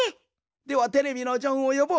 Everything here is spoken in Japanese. ではテレビのジョンをよぼう！